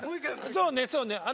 そうねそうね。